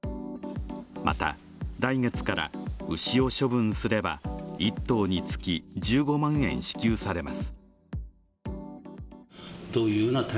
また、来月から牛を処分すれば１頭につき１５万円支給されます。